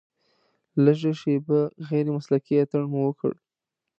لږه شېبه غیر مسلکي اتڼ مو وکړ.